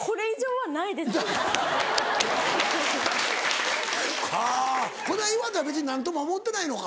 はぁこれは岩手は別に何とも思ってないのか。